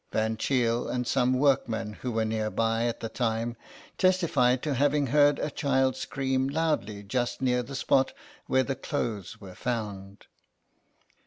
Van Cheele and some workmen who were near by at the time testified to having heard a child scream loudly just near the spot where the clothes were found.